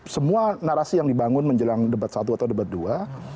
semua narasi yang dibangun menjelang debat satu atau debat dua